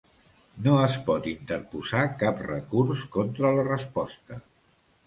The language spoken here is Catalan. No es pot interposar cap recurs contra la resposta.